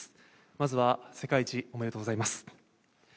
まずは世界一、おめでとうございます。